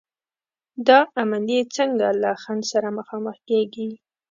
دا عملیې څنګه له خنډ سره مخامخ کېږي؟